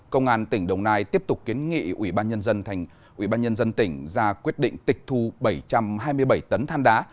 công an tỉnh đồng nai tiếp tục kiến nghị ubnd tỉnh ra quyết định tịch thu bảy trăm hai mươi bảy tấn than đá